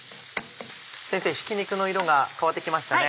先生ひき肉の色が変わって来ましたね。